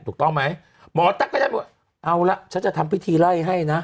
ถูกต้องไหมหมอตั๊กก็ได้ว่าเอาละฉันจะทำพิธีไล่ให้นะ